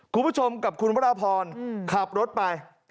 คุณผู้ชมกับคุณวรพรขับรถไป